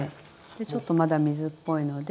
でちょっとまだ水っぽいので。